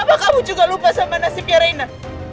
mumpunkah kamu juga lupa sama nasib rina